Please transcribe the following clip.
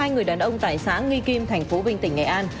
hai người đàn ông tại xã nghi kim tp vinh tỉnh nghệ an